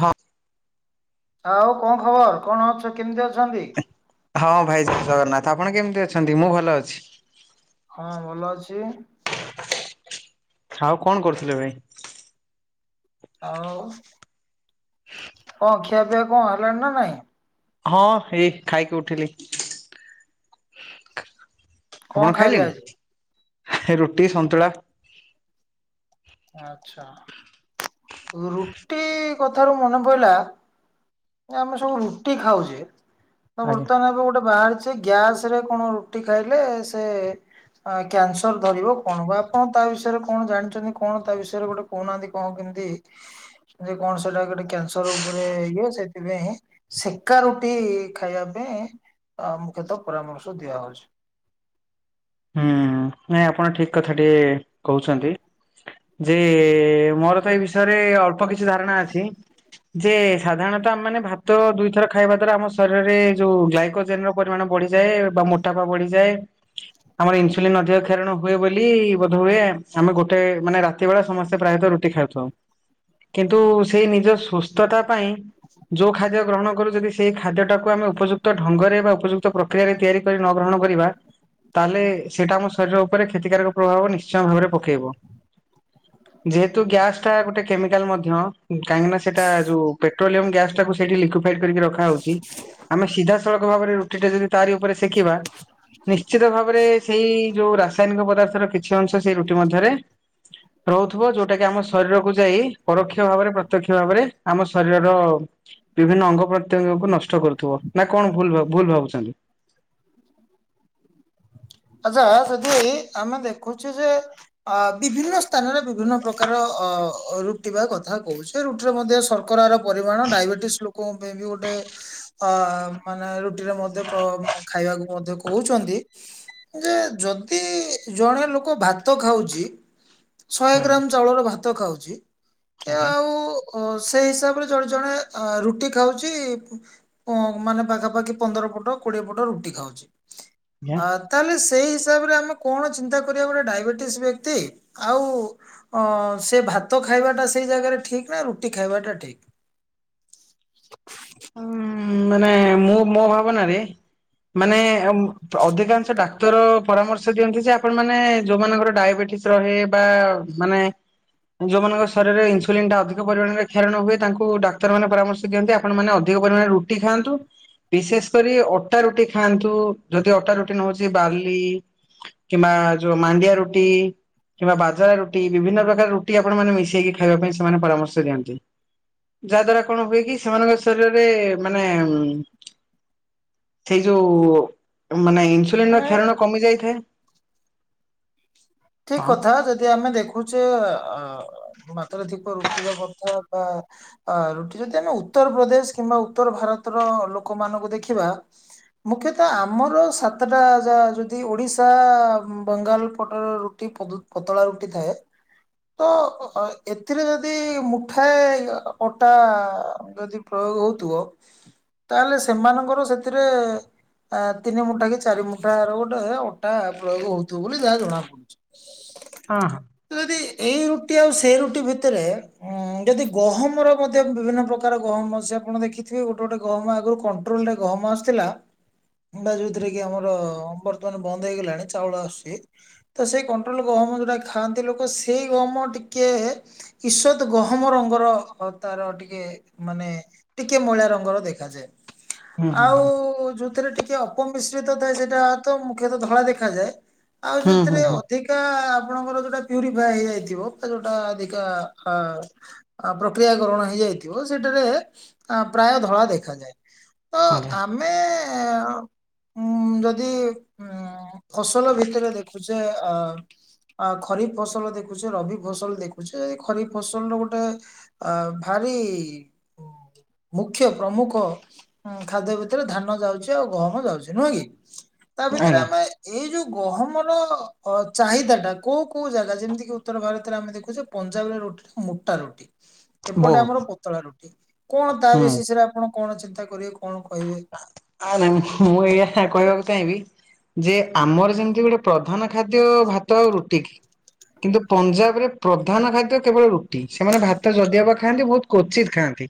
ହଁ। ଆଉ କଣ ଖବର୍? କଣ ଅଛ? କେମିତି ଅଛନ୍ତି? ହଁ ଭାଇ ଜୟ ଜଗନ୍ନାଥ। ଆପଣ କେମିତି ଅଛନ୍ତି? ମୁଁ ଭଲ ଅଛି। ହଁ ଭଲ ଅଛି। ଆଉ କଣ କରୁଥିଲେ ଭାଇ? ଆଉ କଣ ଖିଆ ପିଆ କଣ ହେଲାଣି ନା ନାଇଁ? ହଁ ହେଇ ଖାଇକି ଉଠିଲି। କଣ ଆପଣ ଖାଇଲେ ଆଜି? ଖାଇଲେଣି? ରୁଟି, ସନ୍ତୁଳା। ଆଛା, ରୁଟି କଥାରୁ ମନେ ପଇଲା। ଆମେ ସବୁ ରୁଟି ଖାଉଛେ। ତ ଆଜ୍ଞା। ବର୍ତ୍ତମାନ ଏବେ ଗୋଟେ ବାହାରେ ସେ ଗ୍ୟାସ୍ ରେ କଣ ରୁଟି ଖାଇଲେ ସେ ଆଁ କ୍ୟାନ୍ସର୍ ଧରିବ କଣ ବା। ଆପଣ ତା ବିଷୟରେ କଣ ଜାଣିଛନ୍ତି? କଣ ତା ବିଷୟରେ ଗୋଟେ କହୁନାହାନ୍ତି କଣ କେମିତି ଯେ କଣ ସେଟା ଗୋଟେ କ୍ୟାନ୍ସର୍ ଉପରେ ଇଏ ସେଥିପାଇଁ। ସେକା ରୁଟି ଖାଇବା ପାଇଁ ମୁଖ୍ୟତଃ ପରାମର୍ଶ ଦିଆ ହଉଛି। ହୁଁ। ନାଇଁ ଆପଣ ଠିକ୍ କଥା ଟିକେ କହୁଛନ୍ତି। ଯେ ମୋର ତ ଏଇ ବିଷୟରେ ଅଳ୍ପ କିଛି ଧାରଣା ଅଛି। ଯେ ସାଧାରଣତଃ ଆମ ମାନେ ଭାତ ଦୁଇଥର ଖାଇବା ଦ୍ଵାରା ଆମ ଶରୀରରେ ଯୋଉ ଗ୍ଲାଇକୋଜେନ ର ପରିମାଣ ବଢି଼ଯାଏ ବା ମୋଟାପା ବ଼ଢିଯାଏ। ଆମର ଇନ୍ସୁଲିନ ଅଧିକ କ୍ଷରଣ ହୁଏ ବୋଲି ବୋଧ ହୁଏ ଆମେ ଗୋଟେ ମାନେ ରାତି ବେଳେ ସମସ୍ତେ ପ୍ରାୟତଃ ରୁଟି ଖାଉ। ତ କିନ୍ତୁ ସେ ନିଜ ସୁସ୍ଥତା ପାଇଁ। ଯୋଉ ଖାଦ୍ୟ ଗ୍ରହଣ କରୁ ଯଦି ସେଇ ଖାଦ୍ୟ ଟାକୁ ଆମେ ଉପଯୁକ୍ତ ଢଙ୍ଗରେ ବା ଉପଯୁକ୍ତ ପ୍ର କ୍ରିୟାରେ ତିଆରି କରି ନ ଗ୍ରହଣ କରିବା ତାହେଲେ ସେଇଟା ଆମ ଶରୀର ଉପରେ କ୍ଷତିକାରକ ପ୍ରଭାବ ନିଶ୍ଚୟ ଭାବରେ ପକେଇବ। ଯେହେତୁ ଗ୍ୟାସ୍ ଟା ଗୋଟେ କେମିକାଲ ମଧ୍ୟ କାହିଁକିନା ସେଇଟା ଯୋଉ ପେଟ୍ରୋଲିୟମ ଗ୍ୟାସ୍ ଟାକୁ ସେଠି ଲିକୁ ମେଟ କରିକି ରଖାଉଛି। ଆମେ ସିଧା ସଳଖ ଭାବରେ ରୁଟି ଟା ଯଦି ତାରି ଉପରେ ଶେକିବା। ନିଶ୍ଚିତ ଭାବରେ ସେଇ ଯୋଉ ରାସାୟନିକ ପଦାର୍ଥର କିଛି ଅଂଶ ସେଇ ରୁଟି ମଧ୍ୟରେ। ରହୁଥିବ ଯୋଉଟା କି ଆମ ଶରୀରକୁୁ ଯାଇ ପରୋକ୍ଷ ଭାବରେ ପ୍ରତ୍ୟକ୍ଷ ଭାବରେ ଆମ ଶରୀରର ବିଭିନ୍ନ ଅଙ୍ଗ ପ୍ରତ୍ୟଙ୍ଗକୁ ନଷ୍ଟ କରୁଥିବ। ନା କଣ ଭୁଲ, ଭୁଲ ଭାବୁଛନ୍ତି? ଆଚ୍ଛା ଯଦି ଆମେ ଦେଖୁଛୁ ଯେ ଆ ବିଭିନ୍ନ ସ୍ଥାନରେ ବିଭିନ୍ନ ପ୍ରକାର ଅ ରୁଟିବା କଥା କହୁଛି। ଯେ ରୁଟିରେ ମଧ୍ୟ ଶର୍କରାର ପରିମାଣ ଡାଇବେଟିସ୍ ଲୋକଙ୍କ ପାଇଁ ବି ଗୋଟେ ଅ ମାନେ ରୁଟିରେ ମଧ୍ୟ ଖାଇବାକୁ ମଧ୍ୟ କହୁଛନ୍ତି। ଯେ ଯଦି ଜଣେ ଲୋକ ଭାତ ଖାଉଛି। ଶହେ ହୁଁ ଗ୍ରାମ ଚାଉଳର ଭାତ ଖାଉଛି କି ଆଜ୍ଞା ଆଉ ଓ ସେଇ ହିସାବରେ ଜଣେ ଜଣେ ରୁଟି ଖାଉଛି। ଉଁ ମାନେ ପାଖାପାଖି ପନ୍ଦର ପଟ କୋଡି଼ଏ ପଟ ରୁଟି ଖାଉଛି ଆଜ୍ଞା ଆ ତାହେଲେ ସେଇ ହିସାବରେ ଆମେ କଣ ଚିନ୍ତା କରିବା ଗୋଟେ ଡାଇବେଟିସ ବ୍ୟକ୍ତି ଆଉ ଅ ସେ ଭାତ ଖାଇବାଟା ସେଇ ଜାଗାରେ ଠିକ୍ ନା ରୁଟି ଖାଇବାଟା ଠିକ୍? ଉଁ ମାନେ ମୁଁ ମୋ ଭାବନାରେ ମାନେ ଅଧିକାଂଶ ଡାକ୍ତର ପରାମର୍ଶ ଦିଅନ୍ତି ଯେ ଆପଣ ମାନେ ଯୋଉମାନଙ୍କର ଡାଇବେଟିସ୍ ରହେ ବା ମାନେ ଯୋଉମାନଙ୍କ ଶରୀରରେ ଇନ୍ସୁଲିନ୍ ଟ ଅଧିକ ପରିଣରେ କ୍ଷରଣ ହୁଏ ତାଙ୍କୁ ଡାକ୍ତ ମାନ ପରାମର୍ଶ ଦିଅନ୍ତି ଆପଣମାନେ ଅଧିକ ପରିମାଣରେ ରୁଟି ଖାଆନ୍ତୁ। ବିଶେଷ କରି ଅଟା ରୁଟି ଖାଆନ୍ତୁ ଯଦି ଅଟା ରୁଟି ନ ହଉଛି ବାଲି କିମ୍ବା ଯୋ ମାଣ୍ଡିଆ ରୋଟି। କିମ୍ବା ବାଜରା ରୁଟି ବିଭିନ୍ନ ପ୍ରକାର ରୁଟି ଆପଣ ମାନ ମିଶେଇକି ଖାଇବା ପାଇଁ ସେମାନେ ପରାମର୍ଶ ଦିଅନ୍ତି। ଯାହା ଦ୍ଵାରା କଣ ହୁଏ କି ସେମାନଙ୍କ ଶରୀରରେ। ମାନେ ସେଇ ଯୋଉ ମାନେ ଇନ୍ସୁଲିନ ର ମାନେ କ୍ଷାରଣ। କମି ଯାଇଥାଏ। ଠିକ୍ ହଁ କଥା ଯଦି ଆମେ ଦେଖୁଛେ ଅ ମାତ୍ରାଧିକ ରୁଟିର କଥା ବା ଆ ରୁଟି ଯଦି ଆମେ ଉତ୍ତର ପ୍ରଦେଶ କିମ୍ବା ଉତ୍ତର ଭାରତର ଲୋକମାନଙ୍କୁ ଦେଖିବା। ମୁଖ୍ୟତଃ ଆମର ସାତଟା ଯା ଯଦି ଓଡି଼ଶା ବଙ୍ଗାଲ ପଟର ଟି ପଦ ପତଳା ରୁଟି ଥାଏ। ତ ଏଥିରେ ଯଦି ମୁଠାଏ ଅ ଅଟା ଯଦି ପ୍ରୟୋଗ ହଉଥିବ ତାହେଲେ ସେମାନଙ୍କର ସେଥିରେ ଆ ତିନି ମୁଠା କି ଚାରି ମୁଠାର ଗୋଟେ ଅଟା ପ୍ରୟୋଗ ହଉଥିବ। ବୋଲି ଯାହା ଜଣା ପଡୁଛି। [unintelligible] ହଁ। ଯଦି ଏଇ ରୁଟି ଆଉ ସେଇ ରୁଟି ଭିତରେ। ଉଁ ଯଦି ଗହମର ମଧ୍ୟ ବିଭିନ୍ନ ପ୍ରକାର ଗହମ ଆ ସେ ଆପଣ ଦେଖିଥିବେ ଗୋଟେ ଗୋଟେ ଗହମ ଆଗରୁ କଣ କଟ୍ରୋଲରେ ଗହମ ଆସିଥିଲା। କିମ୍ବା ଯୋଉଥିରେ କି ଆମର ବର୍ତମାନ ବନ୍ଦ ହେଇଗଲାଣି ଚାଉଳ ଆସୁଛି ତ ସେଇ। କଟଲ ଗହମ ଯଉଟା ଖାଆନ୍ତି ଲୋକ ସେଇ ଗହମ ଟିକେ। କିଈସତ ଗହମ ରଙ୍ଗର ତାର ଟିକେ ମାନେ। ଟିକେ ମଇଳା ରଙ୍ଗର ଦେଖାଯାଏ ହୁଁ ହୁଁ ଆଉ ଯୋଉଥିରେ ଟିକେ। କମ୍ ମଶ୍ରିତ ଥାଏ ସେଇଟା ତ ମୁଖ୍ୟତଃ ଧଳା ଦେଖାଯାଏ ଆଉ ହୁଁ ହୁଁ ହୁଁ ଯଉଥିରେ ଅ ହୁଁ ଅଧିକା ଆପଣଙ୍କର ଯୋଉଟା ପ୍ୟୁରିଫାଏ ହେଇଯାଇଥିବ ବା ଯୋଉଟା ଅଧିକା ଆ ପ୍ରକ୍ରିୟାକରଣ ହେଇଯାଇଥିବ ସେଠାରେ ଆ ପ୍ରାୟ ଧଳା ଦେଖାଯାଏ। ତ ଆଜ୍ଞା। ଆମେ ଉଁ ଯଦି ଉଁ ଫସଲ ଭିତରେ ଦେଖୁଛେ ଅ ଆ ଖରିଫ୍ ଫସଲ ଦେଖୁଛେ ରବି ଫସଲ ଦେଖୁଛେ ଖରିଫ୍ ଫସଲ ର ଗୋଟେ ଆ ଭାରି ମୁଖ୍ୟ ପ୍ରମୁଖ ଉଁ ଖାଦ୍ୟ ଭିତରେ ଧାନ ଯାଉଛି ଆଉ ଗହମ ଯାଉଛି ନୁହେଁ କି। ତା ଭିତରେ ଆଜ୍ଞା ଆମେ ଏଇ ଯୋଉ ଗହମର ଅ ଚାହିଦା ଟା କୋଉ କୋଉ ଜାଗା ଯେମିତିକି ଉତ୍ତର ଭାରତରେ ଆମେ ଦେଖୁଛେ ପଞ୍ଜାବରେ ରୁଟି ଟା ମୋଟା ରୁଟି। ଏପଟେ ବହୁତ ଆମର ପତଳା ରୁଟି, କଣ ତା ହୁଁ। ବିଶେଷରେ ଆପଣ କଣ ଚିନ୍ତା କରିବେ କଣ କହିବେ? ଆରେ ମୁଁ ଏଇଆ କହିବାକୁ ଚାହିଁବି ଯେ ଆମର ଯେମିତି ଗୋଟେ ପ୍ରଧାନ ଖାଦ୍ୟ ଭାତ ଆଉ ରୁଟି କି? କିନ୍ତୁ ପଞ୍ଜାବରେ ପ୍ରଧାନ ଖାଦ୍ୟ କେବଳ ରୁଟି ସେମାନେ ଭାତ ଯଦିଅବା ଖାଆନ୍ତି ବହୁତ କ୍ୱଚିତ୍ ଖାଆନ୍ତି।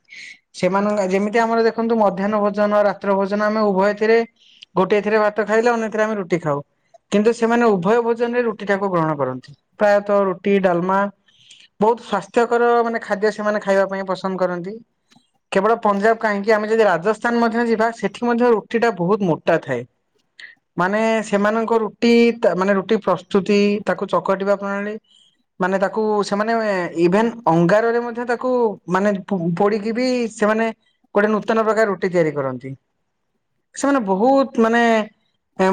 ସେମାନଙ୍କ ଯେମିତି ଆମର ଦେଖନ୍ତୁ ମଧ୍ୟାହ୍ନ ଭୋଜନ ରାତ୍ର ଭୋଜନ ଆମେ ଉଭୟଥିରେ ଗୋଟିଏ ଥିରେ ଭାତ ଖାଇଲେ ଆମେ ଅନ୍ୟ ଥିରେ ଆମେ ରୁଟି ଖାଉ। କିନ୍ତୁ ସେମାନେ ଉଭୟ ଭୋଜନରେ ରୁଟି ଟାକୁ ଗ୍ରହଣ କରନ୍ତି ପ୍ରାୟତଃ ରୁଟି ଡାଲମା। ବହୁତ ସ୍ଵାସ୍ଥ୍ୟକର ମାନେ ଖାଦ୍ୟ ସେମାନେ ଖାଇବା ପାଇଁ ପସନ୍ଦ କରନ୍ତି। କେବଳ ପଞ୍ଜାବ କାହିଁକ ଆମେ ଯଦି ରାଜସ୍ ସ୍ଥାନ ମଧ୍ୟ ଯିବା ସେଠି ମଧ୍ୟ ରୁଟି ଟା ବହୁତ ମୋଟା ଥାଏ। ମାନେ ସେମାନଙ୍କ ରୁଟି ମାନେ ରୁଟି ପ୍ରସ୍ତୁତି ତାକୁ ଚକଟିବା ପ୍ରଣାଳୀ। ମାନେ ତାକୁ ସେମାନେ ଇଭେନ ଅଙ୍ଗାରରେ ମଧ୍ୟ ତାକୁ ମାନେ ପୋଡିକି ବି ସେମାନେ ଗୋଟେ ନୂତନ ପ୍ରକାର ରୁଟି ତିଆରି କରନ୍ତି ସେମାନେ ବହୁତ ମାନେ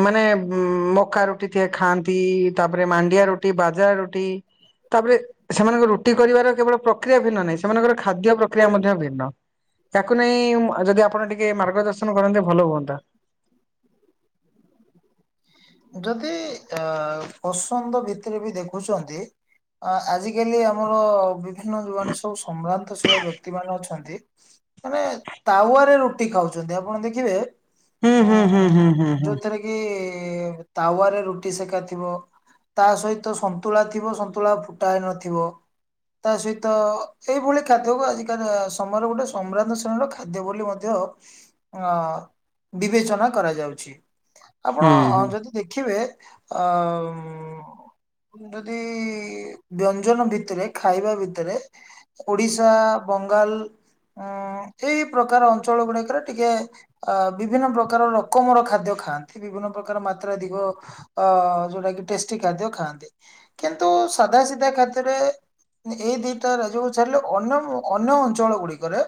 ମାନେ ମକା ରୁଟି ଟିକେ ଖାଆନ୍ତି ତାପରେ ମାଣ୍ଡିଆ ରୁଟି, ବାଜରା ରୁଟି। ତାପରେ ସେମାନଙ୍କ ରୁଟି କରିବାର କେବଳ ପ୍ରକ୍ରିୟା ଭିନ୍ନ ନାହିଁ ସେମାନଙ୍କର ଖାଦ୍ୟ ପ୍ରକ୍ରିୟା ମଧ୍ୟ ଭିନ୍ନ। ତାକୁ ନେଇ ଯଦି ଆପଣ ଟିକେ ମାର୍ଗ ଦର୍ଶନ କରନ୍ତେ ଭଲ ହୁଅନ୍ତା। ଯଦି ଅ ପସନ୍ଦ ଭିତରେ ବି ଦେଖୁଛନ୍ତି ଆ ଆଜିକାଲି ଆମର ବିଭିନ୍ନ ଯୁବମାନେ ସବୁ ସମ୍ଭ୍ରାନ୍ତଶୀଳ ବ୍ୟକ୍ତି ମାନ ଅଛନ୍ତି। ମାନେ ତାୱାରେ ରୁଟି ଖାଉଛନ୍ତି ଆପଣ ଦେଖିବେ ହୁଁ, ହୁଁ, ହୁଁ, ଉଁ ହୁଁ, ହୁଁ, ହୁଁ। ଯୋଉଥିରେ କି ତାୱାରେ ରୁଟି ସେଖାଥିବ। ତା ସହିତ ସନ୍ତୁଳା ଥିବ ସନ୍ତୁଳା ଫୁଟା ହେଇନଥିବ। ତା ସହିତ ଏଇଭଳି ଖାଦ୍ୟକୁ ଆଜିକାଲି ସମୟର ଗୋଟେ ସମ୍ରାନ୍ତ ଶ୍ରେଣୀର ଖାଦ୍ୟ ବୋଲି ମ ମଧ୍ୟ ଅଁ ବିବେଚନା କରାଯାଉଛି ଆପଣ ହୁଁ ଯଦି ଦେଖିବେ ଅ ଯଦି ବ୍ୟଞ୍ଜନ ଭିତରେ ଖାଇବା ଭିତରେ ଓଡିଶା ବଙ୍ଗାଲ ଉଁ ଏଇ ପ୍ରକାର ଅଞ୍ଚଳ ଗୁଡିକରେ ଟିକେ ଅ ବିଭିନ୍ନ ପ୍ରକାର ରକମର ଖାଦ୍ୟ ଖାଆନ୍ତି ବିଭିନ୍ନ ପ୍ରକାର ମା ତ୍ରାଧିକ ଅ ଯୋଉଟା କି ଟେଷ୍ଟି ଖାଦ୍ୟ ଖାଆନ୍ତି। କିନ୍ତୁ ସଧା ସିଧା କ୍ଷେତ୍ର ଏଇ ଦିଟା ରାଜ୍ୟକୁ ଛାଡିଲେ ଅନ୍ୟ ଅନ୍ୟ ଅଞ୍ଚଳ ଗୁଡିକରେ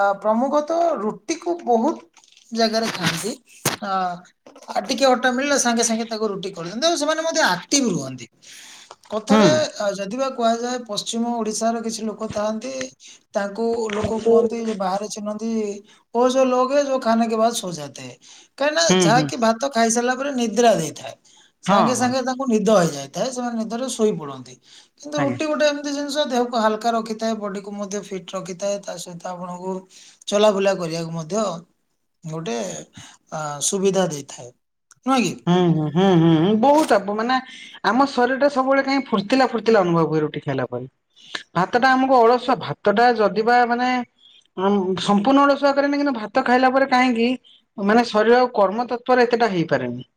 ଆ ପ୍ରମୁଖ ତ ରୁଟିକୁୁ ବହୁତ ଜାଗାରେ ଖାଆନ୍ତି ହଁ ଆଉ ଟିକେ ଅ ଟା ମିଳିଲା ସାଙ୍ଗେ ସାଙ୍ଗେ ତାକୁ ରୁଟି କରିଦିଅନ୍ତି ଆଉ ସେମାନେ ମଧ୍ୟ ଆକ୍ଟିଭ ରୁହନ୍ତି ହୁଁ ହୁଁ କଥାରେ ଆଉ ଯଦିିବା କୁହାଯାଏ ପଶ୍ଚିମ ଓଡିଶାର କିଛି ଲୋକ ଥାଆନ୍ତି। ତାଙ୍କୁ ଲୋକ କୁହନ୍ତି ଯେ ବାହାରେ ଚିହ୍ନନ୍ତି। ଓ ଯୋ ଲୋକ୍ ହେ ଯୋ ଖାନେ କା ବାଦ୍ ସୋ ଯାତେ ହେ କାହିଁନା ହୁଁ ହୁଁ ହଁ ଯାହା କି ଭାତ ତ ଖାଇ ସାଇଲା ତାପରେ ନିଦ୍ରା ଦେଇଥାଏ ସାଙ୍ଗେ ହଁ ସାଙ୍ଗେ ତାଙ୍କୁ ନିଦ ହେଇଯାଇଥାଏ ସେମାନେ ନିଦରେ ଶୋଇ ପଡନ୍ତି। କିନ୍ତୁ ଆଜ୍ଞା ରୁଟି ଗୋଟେ ଏମ୍ ଜିନିଷ ଦେହକୁ ହାଲକା ରଖିଥାଏ ବଡିକୁ ମଧ୍ୟ ଫିଟ ରଖିଥାଏ ତା ସହିତ ଆପଣଙ୍କୁ ଚଲାବୁଲା କରିବାକୁ ମଧ୍ୟ ଗୋଟେ ସୁବିଧା ଦେଇଥାଏ। ନୁହେଁ କି। ହୁଁ ହୁଁ ହୁଁ ହୁଁ ହଁ ବହୁତ ଆପଣ ମାନେ ଆମ ଶରୀର ଟା ସବୁବେଳେ କାହିଁ ଫୁର୍ତିଲା ଫୁର୍ତିଲା ଅନୁଭବ ହୁଏ ରୁଟି ଖାଇଲା ପରେ। ଭାତ ଟା ଆମକୁ ଅଳସୁଆ ଭାତ ଟା ଯଦିିବା ମାନେ ହୁଁ ସମ୍ପୂର୍ଣ୍ଣ ଅଳସୁଆ କରେନି କିନ୍ତୁ ଭାତ ଖାଇଲା ପରେ କାହିଁକି ମାନେ ଶରୀର ଆଉ କର୍ମ ତତ୍ଵରେ ଏତେଟା ହେଇପାରେନି।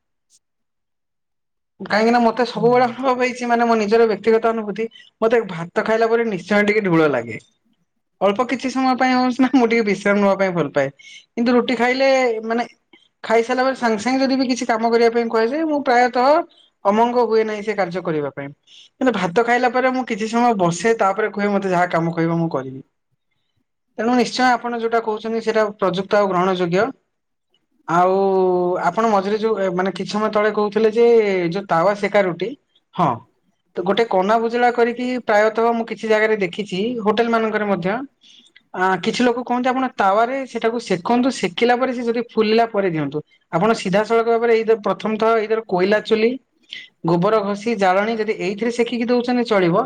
କାହିଁକିନା ମତେ ସବୁବେଳେ ନିହା- [unintelligible] କିଛି ମାନେ ମୋ ନିଜର ବ୍ୟକ୍ତିଗତ ଅନୁଭୂତି ମତେ ଭାତ ଖାଇଲା ପରେ ନିଶ୍ଚୟ ଟିକେ ଢୋଳ ଲାଗେ। ଅଳ୍ପ କିଛି ସମୟ ପାଇଁ ହଉଛି ନା ମୁଁ ଟିକେ ବିଶ୍ରାମ ନବା ପାଇଁ ଭଲ ପାଏ। କିନ୍ତୁ ରୁଟି ଖାଇଲେ ମାନେ ଖାଇସାରିଲା ପରେ ସାଙ୍ଗେ ସାଙ୍ଗେ ଯଦି ବି କିଛି କାମ କରିବା ପାଇଁ କୁହାଯାଏ ମୁଁ ପ୍ରାୟତଃ ଅମଙ୍ଗ ହୁଏ ନାହିଁ ସେ କାର୍ଯ୍ୟ କରିବା ପାଇଁ। ହେଲେ ଭାତ ଖାଇଲା ପରେ ମୁଁ କିଛି ସମୟ ବସେ ତାପରେ କୁହେ ମତେ ଯାହା କାମ କହିବ ମୁଁ କରିବି। ତେଣୁ ନିଶ୍ଚୟ ଆପଣ ଯୋଉଟା କହୁଛନ୍ତି ସେଇଟା ପ୍ରଯୁକ୍ତ ଆଉ ଗ୍ରହଣ ଯୋଗ୍ୟ। ଆଉ ଆପଣ ମଝିରେ ଯୋଉ ମାନେ କିଛି ସମୟ ତଳେ କହୁଥିଲେ ଯେ ଯୋଉ ତାୱା ସେକା ରୁଟି ହଁ। ଗୋଟେ କନା ବୁଜୁଳା କରିକି ପ୍ରାୟତଃ ମୁଁ କିଛି ଜାଗାରେ ଦେଖିଛି ହୋଟେଲ ମାନଙ୍କରେ ମଧ୍ୟ ଆ କିଛି ଲୋକ କୁହନ୍ତି ଆପଣ ତାୱାରେ ସେଟାକୁ ସେକନ୍ତୁ ସେକିଲା ପରେ ସେ ଯଦି ଫୁଲିଲା ପରେ ଦିଅନ୍ତୁ। ଆପଣ ସିଧାସଳଖ ଭାବରେ ଏଇ ପ୍ରଥମ ଥର ଏଇ କୋଇଲା ଚୁଲି। ଗୋବର ଘଷି ଜାଳଣୀ ଯଦି ଏଇଥିରେ ସେକିକି ଦଉଛନ୍ତି ଚଳିବ।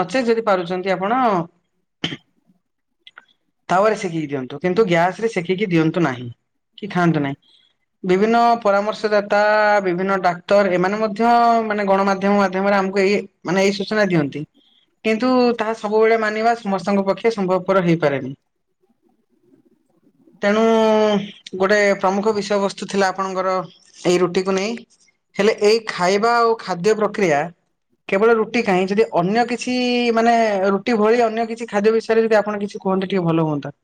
ନଚେତ ଯଦି ପାରୁଛନ୍ତି ଆପଣ ତାୱା ରେ ସେକିକି ଦିଅନ୍ତୁ କିନ୍ତୁ ଗ୍ୟାସ ସେକିକି ଦିଅନ୍ତୁ ନାହିଁ କି ଖାଆନ୍ତୁ ନାହିଁ ବିଭିନ୍ନ ପରାମର୍ଶଦତା ବିଭିନ୍ନ ଡାକ୍ତର ଏମାନେ ମଧ୍ୟ ମାନେ ଗଣମାଧ୍ୟମ ମାଧ୍ୟମରେ ଆମକୁ ଏଇ ମାନେ ଏଇ ସୂଚନା ଦିଅନ୍ତି କିନ୍ତୁ ତାହା ସବୁବେଳେ ମାନିବା ସମସ୍ତଙ୍କ ପକ୍ଷେ ସମ୍ଭବପର ହେଇପାରେନି। ତେଣୁ ଗୋଟେ ପ୍ରମୁଖ ବିଷୟବସ୍ତୁ ଥିଲା ଆପଣଙ୍କର। ଏଇ ରୁଟିକୁ ନେଇ ହେଲେ ଏଇ ଖାଇବା ଆଉ ଖାଦ୍ୟ ପ୍ରକ୍ରିୟା କେବଳ ରୁଟି କାହିଁ ଯଦି ଅନ୍ୟ କିଛି ମାନେ ରୁଟି ଭଳି ଅନ୍ୟ କିଛି ଖାଦ୍ୟ ବିଷୟରେ ଯଦି ଆପଣ କିଛି କୁହନ୍ତେ ଟିକେ ଭଲ ହୁଅନ୍ତା।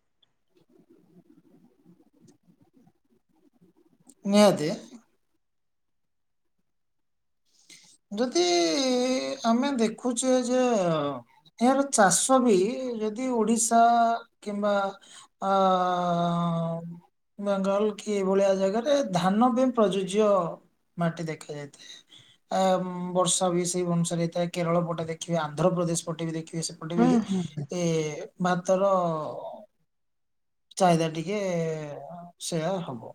ନିହାତି। ଯଦି ଆମେ ଦେଖୁଛେ ଯେ ଏହାର ଚାଷ ବି ଯଦି ଓଡିଶା କିମ୍ବା ଅ ବେଙ୍ଗାଲ କି ଏଇଭଳିଆ ଜାଗାଟେ ଧାନ ବି ପ୍ରଯୁଜ୍ୟ ମାଟି ଦେଖାଯାଇଥାଏ। ଆ ବର୍ଷା ବି ସେଇ ଅନୁସାରେ ହେଇଥାଏ କେରଳ ପଟେ ଦେଖିବେ ଆନ୍ଧ୍ରପ୍ରଦେଶ ପଟେ ବି ଦେଖିବେ ସେ ପଟେ ହୁଁ ବି ହୁଁ ଏ ଭାତର ଚାହିଦା ଟିକେ ସେୟା ହବ।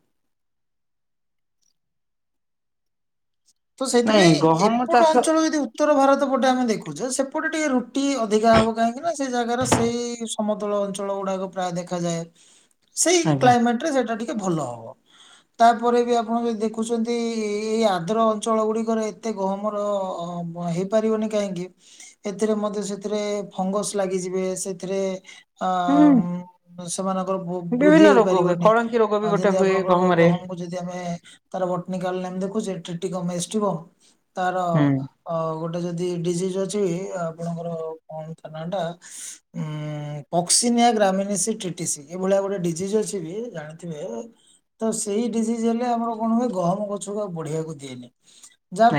ତ ନାଇଁ ସେଥିପାଇଁ ଗହମ ଏପଟ ଚାଷ ଅଞ୍ଚଳ ଯଦି ଉ ଉତ୍ତର ଭାରତ ପଟେ ଆମେ ଦେଖୁଛେ ସେପଟେ ଟିକେ ରୁଟି ଅଧିକା ହବ କାହିଁକି ନା ସେ ଜାଗାର ସେଇ ସମତଳ ଅଞ୍ଚଳ ଗୁଡାକ ପ୍ରାୟ ଦେଖାଯାଏ। ସେଇ ଆଜ୍ଞା କ୍ଲାଇମେଟ ରେ ସେଇଟା ଟି ଟେ ଭଲ ହବ ତାପରେ ବି ଆପଣ ଯଦି ଦେଖୁଛନ୍ତି ଏଇ ଆ ଆଦ୍ର ଅଞ୍ଚଳ ଗୁଡିକରେ ଏତେ ଗହମର ହେଇପାରିବନି କାହିଁକି? ଏଥିରେ ମଧ୍ୟ ସେଥିରେ ଫଙ୍ଗସ ଲାଗିଯିବେ ସେଥିରେ ଅଁ ହୁଁ। ଉଁ ସେମାନଙ୍କର ବୁ ବିଭିନ୍ନ ବୃଦ୍ଧି ରୋଗ ହୁଏ ହେଇପାରିବନି କଳଙ୍କି ରୋଗ ବି ଗୋଟେ ଯେମିତି ହୁଏ ଆପଣଙ୍କର ଗହମରେ ଗହମ ଯଦି ଆମେ ତାର ବଟନିକାଲ ଲାଇନି ଦେଖୁଚେ ଟିଟିକମେଜ ଥିବ ତାର ହୁଁ ଆ ଗୋଟେ ଯଦି ଡିଜିଜ୍ ଅଛି ଆପଣଙ୍କର କଣ ତା ନାଁଟା ଉଁ ପକ୍ସିିନିଆ ଗ୍ରାମିନିଶି ଟିଟିସି ଏଇଭଳି ଆ ଗୋଟେ ଡିଜିଜ ଅଛି କି ଜାଣିଥିବେ? ତ ସେଇ ଡିସିଜ ହେଲେ ଆମର କଣ ହୁଏ ଗହମ ଗଛକୁ ଆଉ ବଢିବାକୁ ଦିଏନି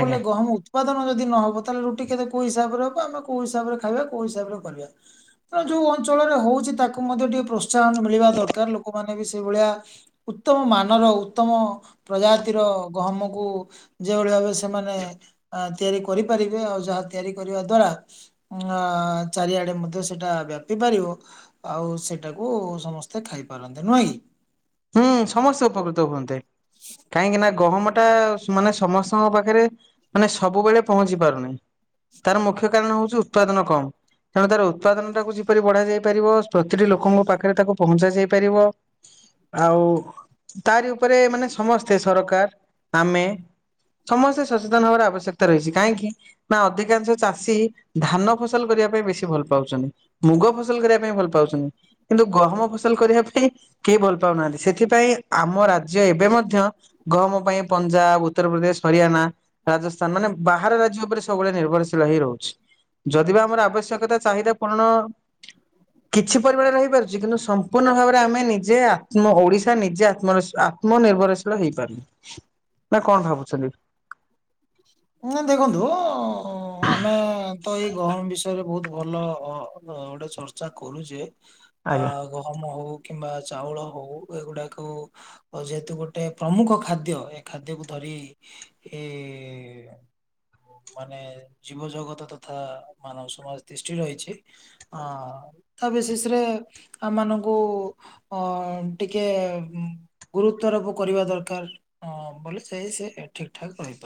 ଆଜ୍ଞା। ଗହମ ଉ ଉତ୍ପାଦନ ଯଦି ନ ହେବ ତାହେଲେ ରୁଟି କେତେ କୋଉ ହିସାବରେ ହେବ ଆମେ କୋଉ ହିସାବରେ ଖାଇବା କୋଉ ହିସାବରେ କରିବା। ତେଣୁ ଯୋଉ ଅଞ୍ଚଳରେ ହଉଛି ତାକୁ ମଧ୍ୟ ଟିକେ ପ୍ରୋତ୍ସାହନ ମିଳିବା ଦରକାର ଲୋକମାନେ ବି ସେଇଭଳିଆ ଉତ୍ତମ ମାନର ଉତ୍ତମ ପ୍ରଜାତିର ଗହମକୁ ଯେଭଳି ଭାବେ ସେମାନେ ଅଁ ତିଆରି କରିପାରିବେ। ଆଉ ଯାହା ତିଆରି କରିବା ଦ୍ଵାରା ଆଁ ଚାରିଆଡେ ମଧ୍ୟ ସେଇଟା ବ୍ୟାପି ପାରିବ। ଆଉ ସେଇଟାକୁ ସମସ୍ତେ ଖାଇପାରନ୍ତେ ନୁହେଁ କି? ହୁଁ ସମସ୍ତେ ଉପକୃତ ହୁଅନ୍ତେ। କାହିଁକି ନା ଗହମ ଟା ମାନେ ସମସ୍ତଙ୍କ ପାଖରେ ମାନେ ସବୁବେଳେ ପହଞ୍ଚି ପାରୁନି ତାର ମୁଖ୍ୟ କାରଣ ହୋଉଚି ଉତ୍ପାଦନ କମ୍। ତେଣୁ ତାର ଉତ୍ପାଦନ ଟାକୁ କିପରି ବଢ଼ା ଯାଇ ପାରିବ ପ୍ରତିଟି ଲୋକଙ୍କ ପାଖରେ ତାକୁ ପହଞ୍ଚା ଯାଇ ପାରିବ। ଆଉ ତାରି ଉପରେ ମାନେ ସମସ୍ତେ ସରକାର ଆମେ ସମସ୍ତେ ସଚେତନ ହବାର ଆବଶ୍ୟକତା ରହିଛି କାହିଁକି? ନା ଅଧିକାଂଶ ଚାଷୀ ଧାନ ଫସଲ କରିବା ପାଇଁ ବେଶୀ ଭଲ ପାଉଚନ୍ତି। ମୁଗ ଫସଲ କରିବା ପାଇଁ ଭଲ ପାଉଛନ୍ତି କିନ୍ତୁ ଗହମ ଫସଲ କରିବା ପାଇଁ କିଏ ଭଲ ପା ଲ ପାଉନାହାନ୍ତି ସେଥିପାଇଁ ଆମ ରାଜ୍ୟ ଏବେ ମଧ୍ୟ ଗହମ ପାଇଁ ପଞ୍ଜାବ, ଉତ୍ତରପ୍ରଦେଶ, ହରିୟାଣା। ରାଜସ୍ଥାନ ମାନେ ବାହାର ରାଜ୍ୟ ଉପରେ ସବୁବେଳେ ନିର୍ଭରଶୀଳ ହେଇ ରହୁଛି। ଯଦି ବା ଆମର ଆବଶ୍ୟକତା ଚାହିଦା ପୂରଣ କିଛି ପରିମାଣରେ ରହିପାରୁଛି କିନ୍ତୁ ସମ୍ପୂର୍ଣ୍ଣ ଭାବରେ ଆମେ ନିଜେ ଆ ଆମ ଓଡିଶା ନିଜେ ଆତ୍ମରଶ୍ବ ଆତ୍ମ ନିର୍ଭରଶୀଳ ହେଇପାରୁନି ନା କଣ ଭାବୁଛନ୍ତି? ନାଇଁ ଦେଖନ୍ତୁ ଉ ଆମେ ତ ଏଇ ଗହମ ବିଷୟରେ ବହୁତ ଭଲ ଅ ଗୋଟେ ଚର୍ଚ୍ଚା କରୁଚେ ଆ ଆଜ୍ଞା। ଗହମ ହଉ କିମ୍ବା ଚାଉଳ ହଉ ଏଗୁଡାକୁ ଓ ଯେହେତୁ ଗୋଟେ ପ୍ରମୁଖ ଖାଦ୍ୟ ଏ ଖାଦ୍ୟକୁ ଧରି ଏ ଏ ଆ ମାନେ ଜୀବଜଗତ ତଥା ମାନବ ସମାଜ ତିଷ୍ଠି ରହିଛି। ଅ ତା ବିଶେଷରେ ଆମ ମାନଙ୍କୁ ଅ ଟିକେ ଉଁ ଗୁରୁତ୍ୱାରୋପ କରିବା ଦରକାର ଅ ବଲେ ସେ ସିଏ ଠିକ୍ ଠାକ୍ [unintelligible] ପା